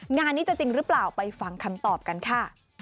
งานนี้จะจริงหรือเปล่าไปฟังคำตอบกันค่ะ